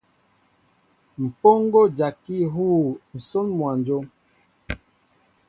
Mpoŋo a jaki a huu nsón mwănjóm.